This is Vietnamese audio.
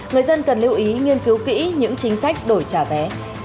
người dân cần lưu ý nghiên cứu kỹ những chính sách đổi trả vé